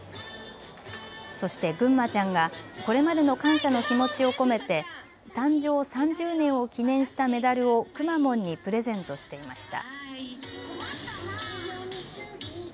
そして、ぐんまちゃんがこれまでの感謝の気持ちを込めて誕生３０年を記念したメダルをくまモンにプレゼントしていました。